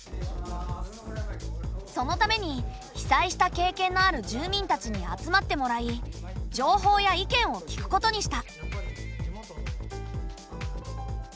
そのために被災した経験のある住民たちに集まってもらい情報や意見を聞くことにした。